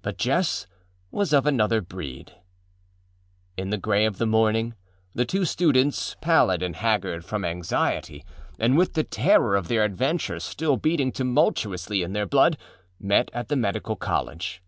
But Jess was of another breed. In the gray of the morning the two students, pallid and haggard from anxiety and with the terror of their adventure still beating tumultuously in their blood, met at the medical college.